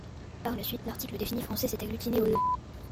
Par la suite, l'article défini français s'est agglutiné au nom.